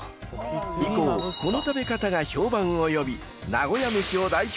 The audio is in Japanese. ［以降この食べ方が評判を呼び］